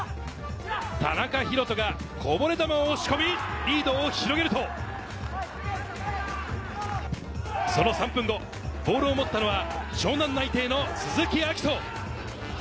田中大翔がこぼれ球を押し込み、リードを広げると、その３分後、ボールを持ったのは湘南内定のを鈴木章斗。